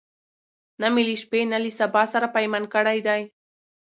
نه می له شپې نه له سبا سره پیمان کړی دی